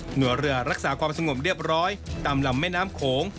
เหนือเรือรักษาความสงบเรียบร้อยตามลำแม่น้ำโขง